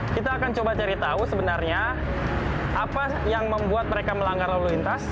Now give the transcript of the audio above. kita akan coba cari tahu sebenarnya apa yang membuat mereka melanggar lalu lintas